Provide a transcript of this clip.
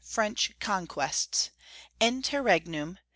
FRENCH CONQUESTS. INTERREGNUM.